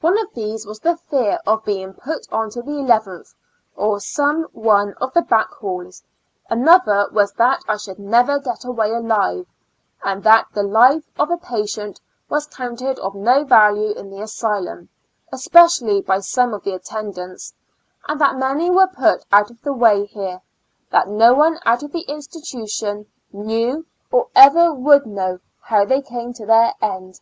One of these was the fear of being put on to the eleventh, or some one of the back halls — another was that I should never get 134 ^^^ Years and Four Months away alive, and that the life of a patient was counted of no value in the asjdum, especially by some of the attendants, and that many were put out of the way here; that no one out of the institution knew, or ever would know how they came to their end.